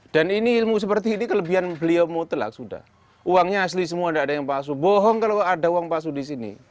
dan ini ilmu seperti ini kelebihan beliau motel lah sudah uangnya asli semua tidak ada yang palsu bohong kalau ada uang palsu di sini